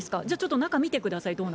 じゃあ、ちょっと中、見てください。